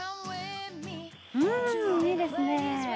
うーん、いいですねー。